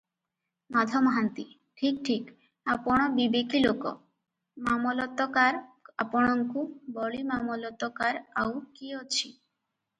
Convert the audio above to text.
ମାଧ ମହାନ୍ତି- ଠିକ୍ ଠିକ୍, ଆପଣ ବିବେକୀ ଲୋକ, ମାମଲତକାର, ଆପଣଙ୍କୁ ବଳି ମାମଲତକାର ଆଉ କିଏ ଅଛି?